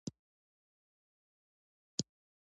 په افغانستان کې د بامیان منابع شته.